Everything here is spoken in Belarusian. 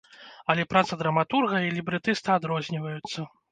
Але праца драматурга і лібрэтыста адрозніваюцца.